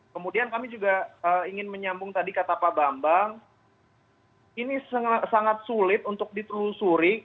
kemudian kami juga ingin menyambung tadi kata pak bambang ini sangat sulit untuk ditelusuri